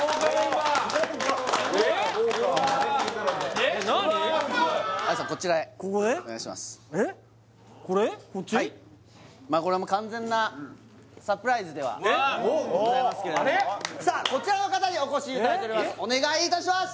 はいこれはもう完全なサプライズではございますけれどもこちらの方にお越しいただいております